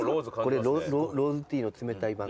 これローズティーの冷たい版。